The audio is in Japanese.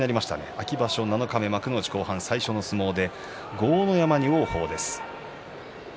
秋場所七日目幕内後半最初の相撲で豪ノ山に王鵬です。